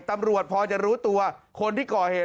ตำรวจพอจะรู้ตัวคนที่ก่อเหตุ